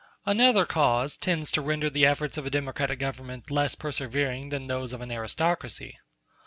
Another cause tends to render the efforts of a democratic government less persevering than those of an aristocracy.